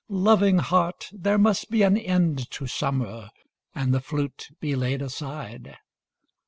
Loving Heart, There must be an end to summer, And the flute be laid aside.